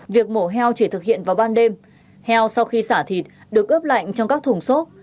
việc mổ heo chỉ thực hiện vào ban đêm heo sau khi xả thịt được ướp lạnh trong các thùng xốp